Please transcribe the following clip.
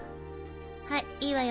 はいいいわよ。